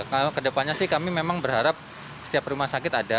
kalau kedepannya sih kami memang berharap setiap rumah sakit ada